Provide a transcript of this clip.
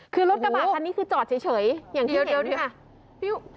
คือรถกระบะคันนี้คือจอดเฉยอย่างเดียวเนี่ย